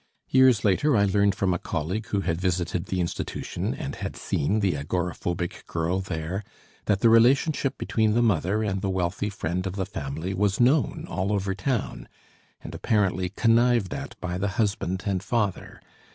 Years later I learned from a colleague who had visited the institution, and had seen the agoraphobic girl there, that the relationship between the mother and the wealthy friend of the family was known all over town, and apparently connived at by the husband and father.